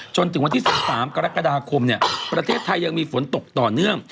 จนถึงวันที่๑๓กรกฎาคมประเทศไทยยังมีฝนตกต่อเนื่อง